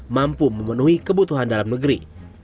mampu memenuhi kebutuhan dalam negeri